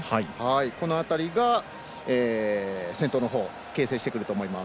この辺りが、先頭のほうを形成してくると思います。